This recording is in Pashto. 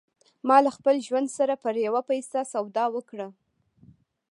ما له خپل ژوند سره پر یوه پیسه سودا وکړه